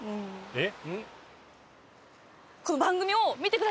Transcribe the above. えっ？